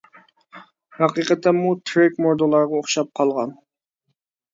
ھەقىقەتەنمۇ تىرىك مۇردىلارغا ئوخشاپ قالغان.